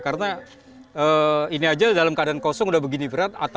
karena ini aja dalam keadaan kosong udah begini berat